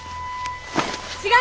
違う！